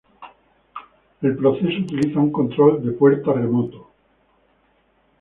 El proceso utiliza un control de puerta remoto.